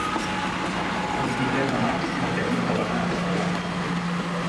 El vint-i-tres de maig na Tanit vol anar a Torreblanca.